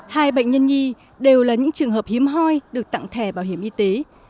hai bệnh nhân nhi đều là những trường hợp hiếm hoi được tặng thẻ bảo hiểm y tế